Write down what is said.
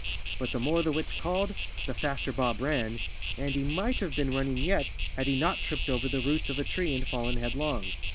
But the more the witch called, the faster Bob ran, and he might have been running yet, had he not tripped over the roots of a tree and fallen headlong.